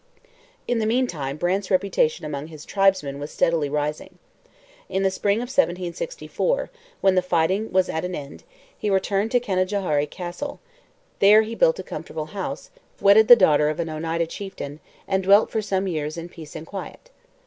In the meantime Brant's reputation among his tribesmen was steadily rising. In the spring of 1764, when the fighting was at an end, he returned to Canajoharie Castle. There he built a comfortable house, wedded the daughter of an Oneida chieftain, and dwelt for some years in peace and quiet.